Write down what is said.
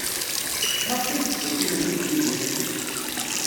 Maɣef ay ttdukkulent ed Yidir?